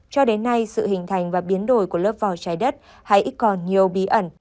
cho đến nay sự hình thành và biến đổi của lớp vò trái đất hay ít còn nhiều bí ẩn